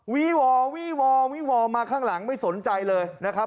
วีวอวี่วอวี่วอมาข้างหลังไม่สนใจเลยนะครับ